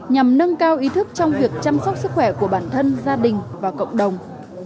nhằm nâng cao ý thức trong việc chăm sóc sức khỏe của bản thân gia đình và cộng đồng